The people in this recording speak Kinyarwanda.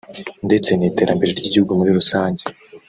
ndetse n’iterambere ry’igihugu muri rusange